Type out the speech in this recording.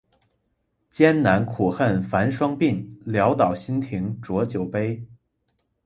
艰难苦恨繁霜鬓，潦倒新停浊酒杯